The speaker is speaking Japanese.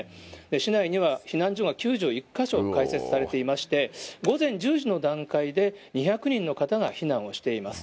市内には避難所が９１か所開設されていまして、午前１０時の段階で、２００人の方が避難をしています。